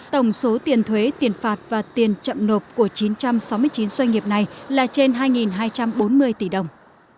tổng số tiền thuế tiền phạt và tiền chậm nộp của chín trăm sáu mươi chín doanh nghiệp này là trên hai hai trăm bốn mươi tỷ đồng